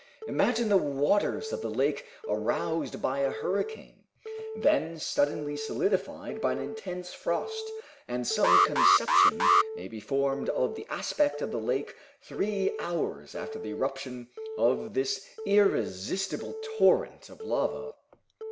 Imagine the waters of the lake aroused by a hurricane, then suddenly solidified by an intense frost, and some conception may be formed of the aspect of the lake three hours after the eruption of this irresistible torrent of lava.